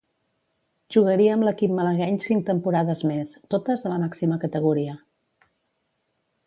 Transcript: Jugaria amb l'equip malagueny cinc temporades més, totes a la màxima categoria.